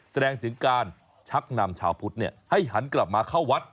แสดงถึงการชักนำชาวพุทธให้หันกลับมาเข้าวัด